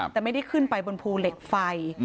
แต่ไม่ได้ขึ้นไปบนภูเหล็กไฟ